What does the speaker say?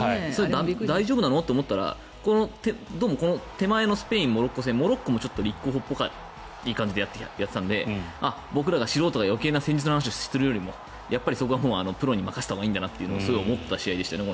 大丈夫なの？って思ったら手前のスペイン・モロッコ戦もモロッコも立候補っぽい感じでやっていたので僕ら素人が余計な戦術の話をするよりもそこはプロに任せたほうがいいんだなと思わせた試合でしたよね。